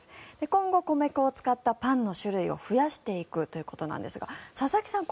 今後、米粉を使ったパンの種類を増やしていくということですが佐々木さん